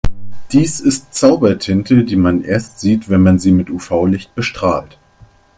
Dies ist Zaubertinte, die man erst sieht, wenn man sie mit UV-Licht bestrahlt.